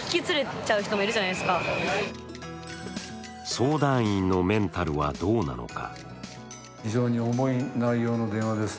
相談員のメンタルはどうなのか。